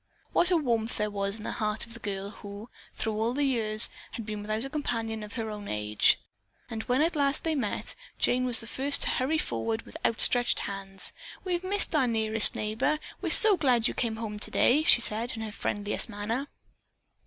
What a warmth there was in the heart of the girl who, through all the years, had been without a companion of her own age. And when at last they met, Jane was the first to hurry forward with outstretched hands. "We've missed our nearest neighbor and we're so glad you came home today," she said in her friendliest manner.